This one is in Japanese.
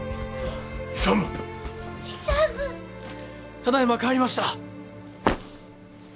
ただいま帰りました。